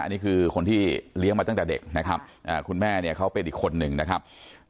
อันนี้คือคนที่เลี้ยงมาตั้งแต่เด็กนะครับคุณแม่เนี่ยเขาเป็นอีกคนนึงนะครับ